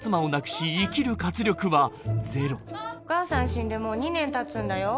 ２年前にお母さん死んでもう２年たつんだよ